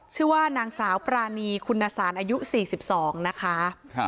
ชื่อว่านางสาวปรานีคุณสารอายุ๔๒นะคะ